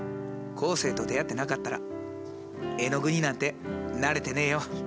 生と出会ってなかったらえのぐになんてなれてねえよ。